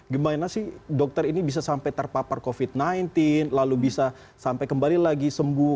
gimana sih dokter ini bisa sampai terpapar covid sembilan belas lalu bisa sampai kembali lagi sembuh